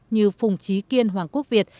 như phùng trí kiên hoàng quốc việt